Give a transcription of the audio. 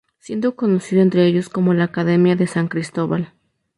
Siendo conocido entre ellos como la "Academia de San Cristóbal".